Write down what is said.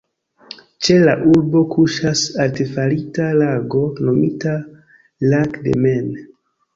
Ĉe la urbo kuŝas artefarita lago nomita "Lac de Maine".